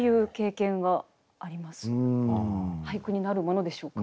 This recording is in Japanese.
俳句になるものでしょうか？